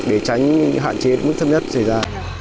để tránh hạn chế mức thấp nhất xảy ra